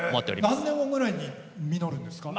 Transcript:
何年後ぐらいに実るんですか？